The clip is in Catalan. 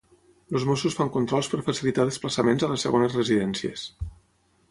Els Mossos fan controls per facilitar desplaçaments a les segones residències.